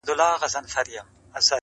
یادوي به مي هر څوک په بد ویلو-